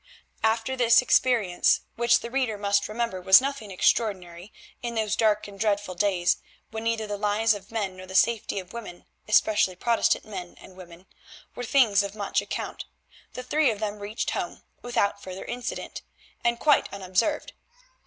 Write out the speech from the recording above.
After this experience, which the reader must remember was nothing extraordinary in those dark and dreadful days when neither the lives of men nor the safety of women—especially Protestant men and women—were things of much account, the three of them reached home without further incident, and quite unobserved.